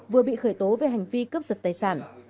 vừa bị khởi tố về hành vi cấp trật tài sản